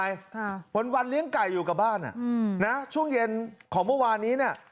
กับใครวันวันเลี้ยงไก่อยู่กับบ้านช่วงเย็นของเมื่อวานนี้